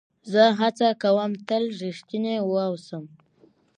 زه هڅه کوم تل رښتینی واوسم.